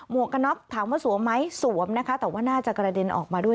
วกกระน็อกถามว่าสวมไหมสวมนะคะแต่ว่าน่าจะกระเด็นออกมาด้วย